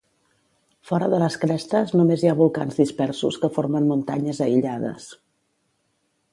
Fora de les crestes només hi ha volcans dispersos que formen muntanyes aïllades.